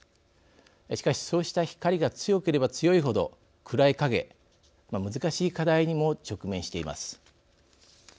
しかし、そうした光が強ければ強い程暗い影、難しい課題にも直面しています。